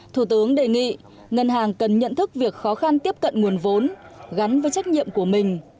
thủ tướng đề nghị ngân hàng cần nhận thức việc khó khăn tiếp cận nguồn vốn gắn với trách nhiệm của mình